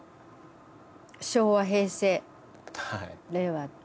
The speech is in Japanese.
昭和平成令和って。